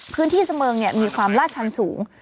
พื้นที่เสมอมีความลาดชันสูง